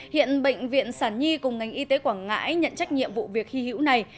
hiện bệnh viện sản nhi cùng ngành y tế quảng ngãi nhận trách nhiệm vụ việc hy hữu này